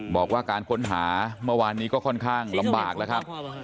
บอกว่าการค้นหาเมื่อวานนี้ก็ค่อนข้างลำบากแล้วครับ